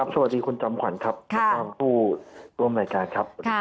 สวัสดีคุณจำขวัญครับพอพูดร่วมรายการครับ